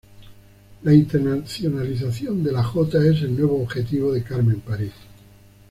La internacionalización de la Jota es el nuevo objetivo de Carmen París.